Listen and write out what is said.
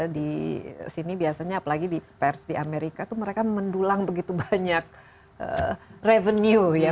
di sini biasanya apalagi pers di amerika mereka mendulang begitu banyak revenue